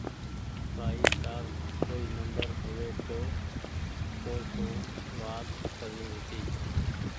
ڀآئي تآر ڪوئي نمبر هووي تو تونٚ سون وآت ڪرڻي هيتي